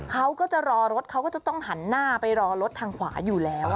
เขาก็จะรอรถเขาก็จะต้องหันหน้าไปรอรถทางขวาอยู่แล้ว